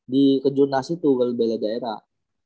di kejurnas itu kalau bela daerah